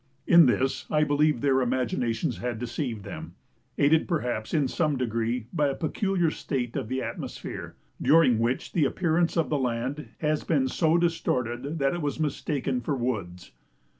In this I believe their imaginations had deceived them, aided perhaps in some degree by a peculiar state of the atmosphere, during which the appearance of the land has been so distorted that it has been mistaken for woods.